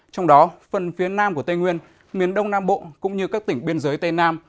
trong đó phần phía nam của tây nguyên miền đông nam bộ cũng như các tỉnh biên giới tây nam